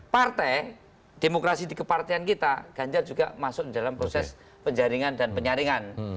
partai demokrasi di kepartian kita ganjar juga masuk dalam proses penjaringan dan penyaringan